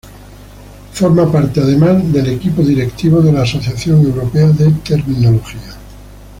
Forma parte, además, del equipo directivo de la Asociación Europea de Terminología.